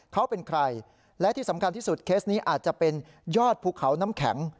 เขาเป็นใครและที่สำคัญที่สุดเคสนี้อาจจะเป็นยอดภูเขาน้ำแข็ง